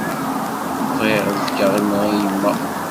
Bɣiɣ ad fkeɣ imɣi i yemma.